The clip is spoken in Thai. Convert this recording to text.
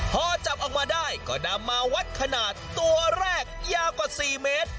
พอจับออกมาได้ก็นำมาวัดขนาดตัวแรกยาวกว่า๔เมตร